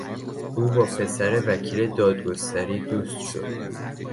او با پسر وکیل دادگستری دوست شد.